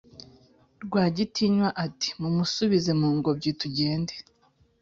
rwagitinywa ati"mumusubize mungobyi tugende"